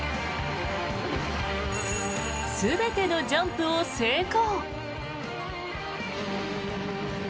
全てのジャンプを成功。